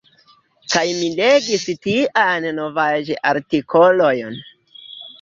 Kaj mi legis tiajn novaĵ-artikolojn.